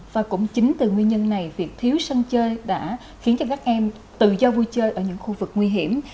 và cũng chính từ nguyên nhân này việc thiếu sân chơi đã khiến cho các em tự do vui chơi ở những khu vực nguy hiểm